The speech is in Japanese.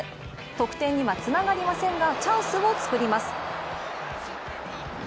得点にはつながりませんが、チャンスを作ります。